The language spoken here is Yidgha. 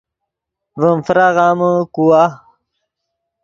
ڤیم فراغامے کوا